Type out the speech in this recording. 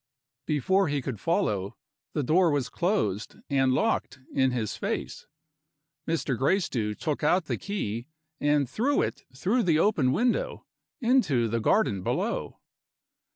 Before he could follow, the door was closed and locked in his face. Mr. Gracedieu took out the key and threw it through the open window, into the garden below.